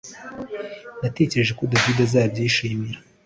Natekereje ko David azabyishimira